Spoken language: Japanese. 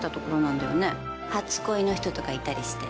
初恋の人とかいたりして。